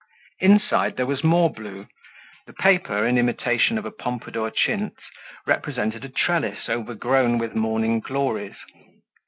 Inside there was more blue; the paper, in imitation of a Pompadour chintz, represented a trellis overgrown with morning glories.